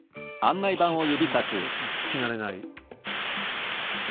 あんまりちょっと聞き慣れない。